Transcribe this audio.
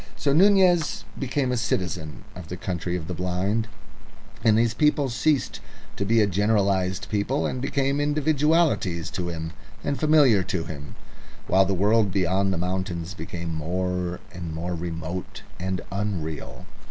So Nunez became a citizen of the Country of the Blind, and these people ceased to be a generalised people and became individualities and familiar to him, while the world beyond the mountains became more and more remote and unreal.